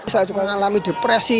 saya juga mengalami depresi